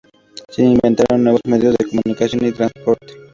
Se inventaron nuevos medios de comunicación y de transporte.